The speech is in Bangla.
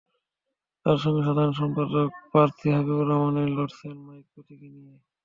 তাঁর সঙ্গে সাধারণ সম্পাদক প্রার্থী হাবিবুর রহমান লড়ছেন মাইক প্রতীক নিয়ে।